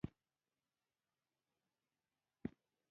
ډوډۍ چې وخوري بې له خدای په امانۍ وځي.